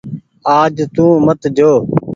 آج تو مت جو۔